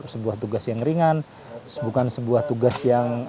sebuah tugas yang ringan bukan sebuah tugas yang